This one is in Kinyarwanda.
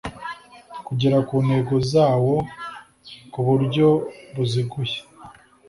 kugera ku ntego zawo ku buryo buziguye